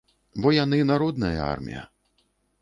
Бо яны народная армія.